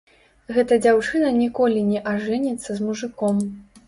Гэта дзяўчына ніколі не ажэніцца з мужыком.